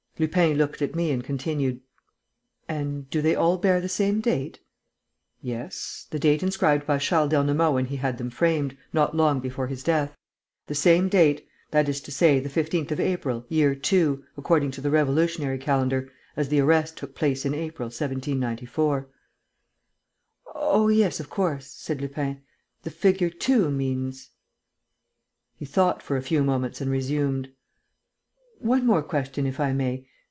Lupin looked at me and continued: "And do they all bear the same date?" "Yes, the date inscribed by Charles d'Ernemont when he had them framed, not long before his death.... The same date, that is to say the 15th of April, Year II, according to the revolutionary calendar, as the arrest took place in April, 1794." "Oh, yes, of course," said Lupin. "The figure 2 means...." He thought for a few moments and resumed: "One more question, if I may.